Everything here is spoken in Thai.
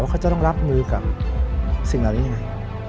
เขาจะต้องรับมือกับสิ่งเหล่านี้ยังไง